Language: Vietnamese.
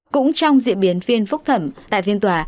cũng trong diễn biến phiên phúc thẩm tại phiên tòa